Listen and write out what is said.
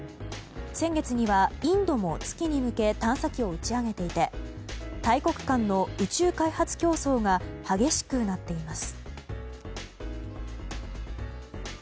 先月にはインドも月に向け探査機を打ち上げていて大国間の宇宙開発競争が激しくなっています。